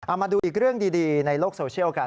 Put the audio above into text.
เอามาดูอีกเรื่องดีในโลกโซเชียลกัน